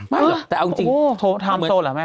ไม่หรือแต่เอาจริงโทรทามโซล่ะแม่